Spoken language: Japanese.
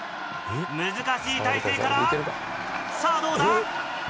難しい体勢からさぁどうだ。